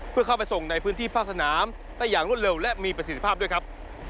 เพื่อเข้าไปส่งในพื้นที่ภาคสนามได้อย่างรวดเร็วและมีประสิทธิภาพด้วยครับ